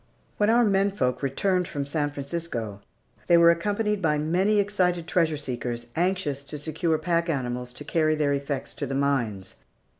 When our menfolk returned from San Francisco, they were accompanied by many excited treasure seekers, anxious to secure pack animals to carry their effects to the mines.